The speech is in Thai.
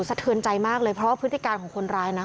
สะเทือนใจมากเลยเพราะว่าพฤติการของคนร้ายนะ